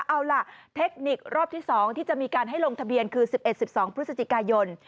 เอาล่ะเทคนิครอบที่๒ที่จะมีการให้ลงทะเบียนคือ๑๑๑๒พฤศจิกายน